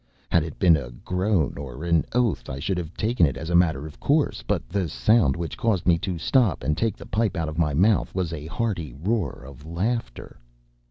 Had it been a groan or an oath, I should have taken it as a matter of course; but the sound which caused me to stop and take the pipe out of my mouth was a hearty roar of laughter!